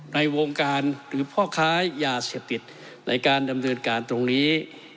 ในวงการหรือพ่อค้ายาเสพติดในการดำเนินการตรงนี้